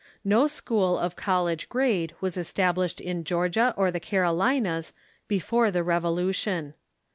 No school of college grade Avas established in Georgia or the Carolinas before the Revo lution.